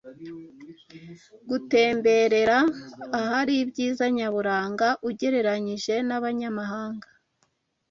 gutemberera ahari ibyiza nyaburanga ugereranyije n’abanyamahanga